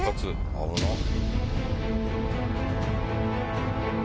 危なっ！